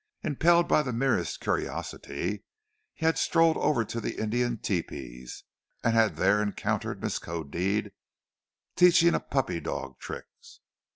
Impelled by the merest curiosity he had strolled over to the Indian tepees and had there encountered Miskodeed teaching a puppy dog tricks.